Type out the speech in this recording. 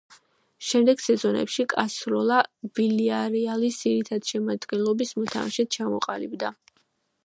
შემდეგ სეზონებში კასორლა „ვილიარეალის“ ძირითადი შემადგენლობის მოთამაშედ ჩამოყალიბდა.